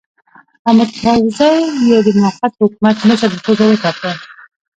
حامد کرزی یې د موقت حکومت مشر په توګه وټاکه.